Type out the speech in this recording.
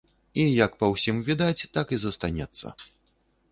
І, як па ўсім відаць, так і застанецца.